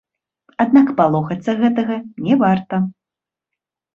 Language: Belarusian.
Аднак палохацца гэтага не варта.